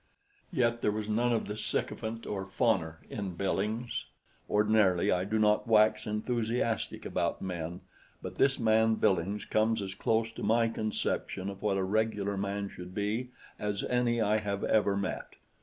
Yet there was none of the sycophant or fawner in Billings; ordinarily I do not wax enthusiastic about men, but this man Billings comes as close to my conception of what a regular man should be as any I have ever met.